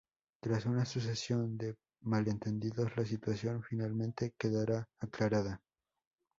Tras una sucesión de malentendidos, la situación, finalmente quedará aclarada.